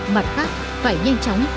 mặt khác phải nhanh chóng khôi